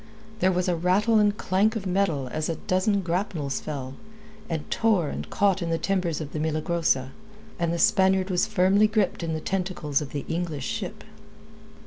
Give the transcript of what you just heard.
There was a rattle and clank of metal as a dozen grapnels fell, and tore and caught in the timbers of the Milagrosa, and the Spaniard was firmly gripped in the tentacles of the English ship.